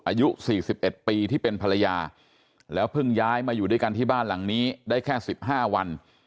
อายุ๔๑ปีที่เป็นภรรยาแล้วเพิ่งย้ายมาอยู่ด้วยกันที่บ้านหลังนี้ได้แค่๑๕วัน